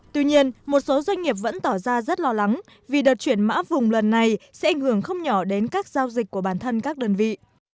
tuy nhiên một số doanh nghiệp vẫn tỏ ra rất lo lắng vì đợt chuyển mã vùng lần này sẽ ảnh hưởng không nhỏ đến các giao dịch của bản thân các đơn vị